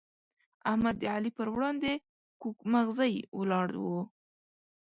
احمد د علي پر وړاندې کوږ مغزی ولاړ وو.